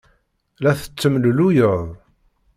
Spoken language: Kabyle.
La tettemlelluyed.